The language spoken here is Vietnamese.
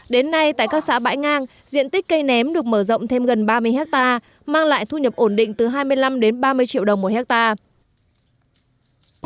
đến nay tại các xã bãi ngang diện tích cây ném được mở rộng thêm gần ba mươi hectare mang lại thu nhập ổn định từ hai mươi năm đến ba mươi triệu đồng một hectare